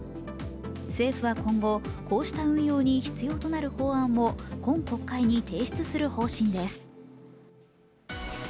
政府は今後、こうした運用に必要となる法案を今国会に提出する方針です。